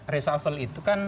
resah itu kan